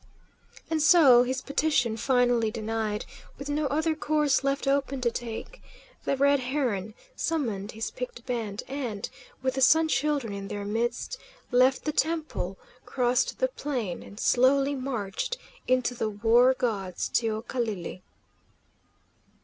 And so, his petition finally denied, with no other course left open to take, the Red Heron summoned his picked band and, with the Sun Children in their midst, left the temple, crossed the plain, and slowly marched into the War God's teocalli.